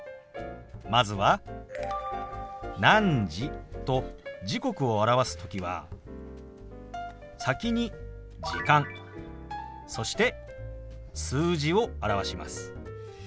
まずは「何時」と時刻を表す時は先に「時間」そして数字を表します。